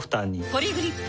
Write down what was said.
ポリグリップ